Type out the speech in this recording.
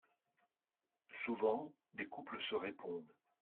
Souvent, des couples se répondent.